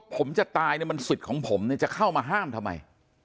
ผมจะตายนี่มันสุดของผมจะเข้ามาห้ามทำไม